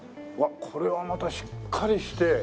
うわっこれはまたしっかりして。